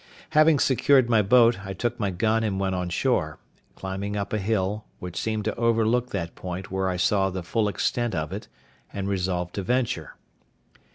Having secured my boat, I took my gun and went on shore, climbing up a hill, which seemed to overlook that point where I saw the full extent of it, and resolved to venture.